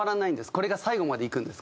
これが最後までいくんです。